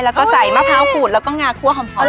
แล้วก็ใส่มะพร้าวขูดแล้วก็งาคั่วหอม